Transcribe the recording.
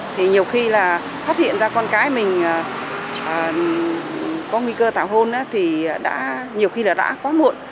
thì nhiều khi là phát hiện ra con cái mình có nguy cơ tảo hôn thì đã nhiều khi là đã quá muộn